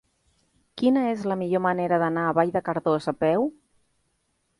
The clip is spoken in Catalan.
Quina és la millor manera d'anar a Vall de Cardós a peu?